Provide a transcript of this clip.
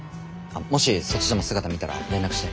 もしそっちでも姿見たら連絡して。